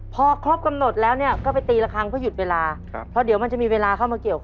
พอครบกำหนดแล้วก็ไปตีละครั้งเพื่อหยุดเวลา